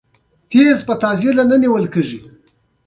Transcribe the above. سړي وويل ته هلته وې.